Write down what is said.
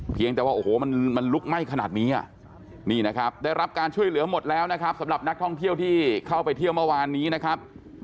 เพียงแต่ว่าโอ้โหมันลุกไหม้ขนาดนี้อ่ะนี่นะครับได้รับการช่วยเหลือหมดแล้วนะครับสำหรับนักท่องเที่ยวที่เข้าไปเที่ยวเมื่อวานนี้นะครับ